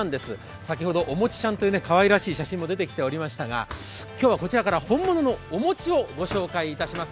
先ほど、おもちちゃんという、かわいらしい写真も出てきましたが、今日はこちらから本物のお餅をご紹介します。